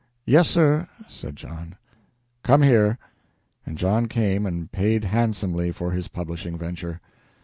"Yes, sir," said John. "Come here!" And John came and paid handsomely for his publishing venture.